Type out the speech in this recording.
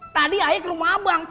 tadi ayah ke rumah abang